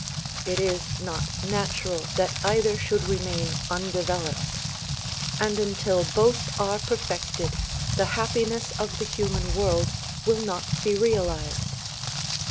It is not natural that either should remain undeveloped ; and until both are perfected the hap piness of the human world will not be realized.